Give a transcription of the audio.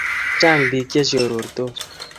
chang pik che shorore